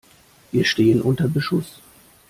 Wir stehen unter Beschuss!